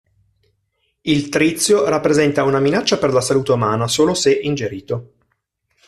Il trizio rappresenta una minaccia per la salute umana solo se ingerito.